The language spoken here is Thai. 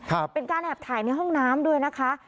เป็นการแอบถ่ายในห้องน้ำด้วยนะคะ